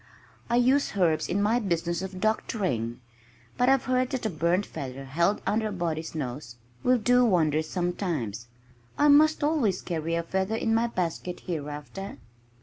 "I use herbs in my business of doctoring. But I've heard that a burnt feather held under a body's nose will do wonders sometimes.... I must always carry a feather in my basket, hereafter."